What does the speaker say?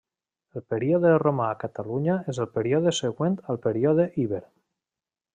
El període romà a Catalunya és el període següent al període iber.